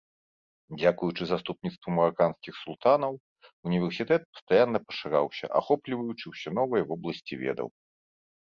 Дзякуючы заступніцтву мараканскіх султанаў універсітэт пастаянна пашыраўся, ахопліваючы ўсе новыя вобласці ведаў.